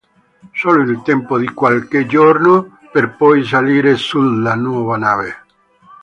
Solo il tempo di qualche giorno per poi salire sulla nuova nave.